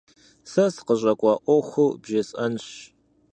Сэ сыкъыщӏэкӏуа ӏуэхур бжесӏэнщ.